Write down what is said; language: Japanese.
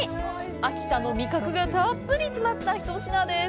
秋田の味覚がたっぷり詰まった一品です。